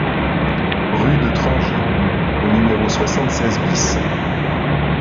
Rue de Trangy au numéro soixante-seize BIS